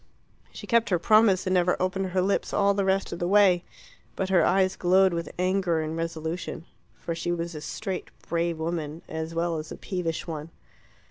She kept her promise, and never opened her lips all the rest of the way. But her eyes glowed with anger and resolution. For she was a straight, brave woman, as well as a peevish one.